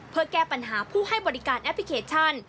เพื่อแก้ปัญหาผู้ให้บริการแอปพลิเคชัน